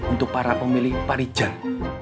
untuk para pemilih pak rijal